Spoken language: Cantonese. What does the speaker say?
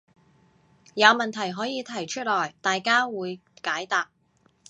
有問題可以提出來，大家會解答